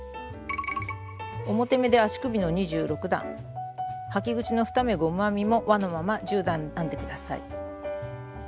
表目で足首の２６段履き口の２目ゴム編みも輪のまま１０段編んで下さい。